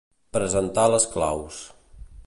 Presentar les claus.